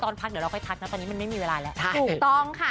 ง่ายเลย